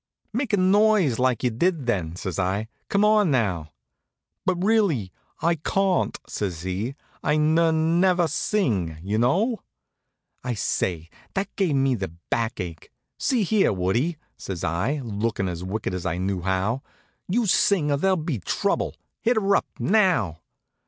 "Make a noise like you did then," says I. "Come on, now!" "But really, I cawn't," says he. "I n never sing, y'know." Say, that gave me the backache. "See here, Woodie," says I, lookin' as wicked as I knew how, "you sing or there'll be trouble! Hit 'er up, now!"